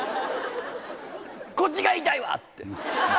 こっちが言いたいわって。